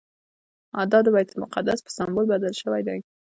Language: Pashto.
دا د بیت المقدس په سمبول بدل شوی دی.